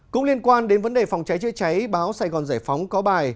cũng liên quan đến vấn đề phòng cháy chữa cháy báo sài gòn giải phóng có bài